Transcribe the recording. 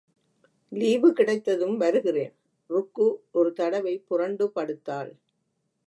Leave கிடைத்ததும் வருகிறேன். ருக்கு ஒரு தடவை புரண்டு படுத்தாள்.